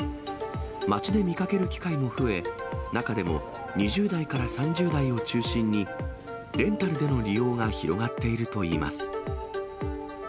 街で見かける機会も増え、中でも２０代から３０代を中心に、レンタルでの利用が広がっているといいます。